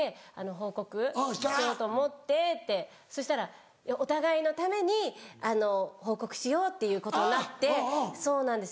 「報告しようと思って」ってそしたらお互いのために報告しようっていうことになってそうなんですよ。